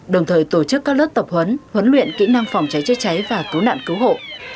đồng thời tổ chức các lớp tập huấn huấn luyện kỹ năng phòng cháy chữa cháy và cứu nạn cứu hộ